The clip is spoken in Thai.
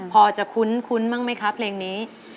พอจะคุ้นบ้างไหมครับเพลงนี้